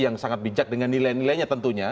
yang sangat bijak dengan nilai nilainya tentunya